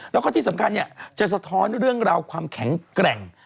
แล้วก็ที่สำคัญจะสะท้อนเรื่องราวความแข็งแกร่ง